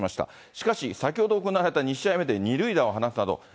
しかし、先ほど行われた２試合目で２塁打を放つなど。